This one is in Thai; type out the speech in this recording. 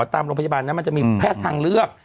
ตามโรงพยาบาลนั้นมันจะมีแพทย์ทางเลือก